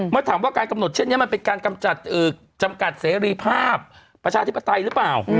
เมื่อถามว่าการกำหนดเช่นนี้มันเป็นการจำกัดเสรีภาพประชาธิปไตยหรือเปล่า